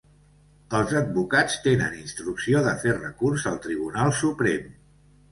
Els advocats tenen instrucció de fer recurs al Tribunal Suprem.